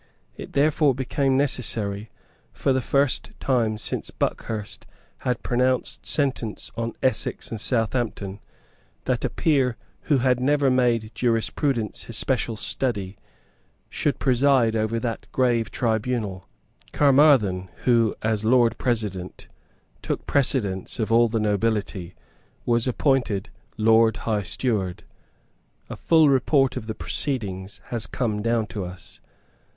It therefore became necessary, for the first time since Buckhurst had pronounced sentence on Essex and Southampton, that a peer who had never made jurisprudence his special study should preside over that grave tribunal. Caermarthen, who, as Lord President, took precedence of all the nobility, was appointed Lord High Steward. A full report of the proceedings has come down to us.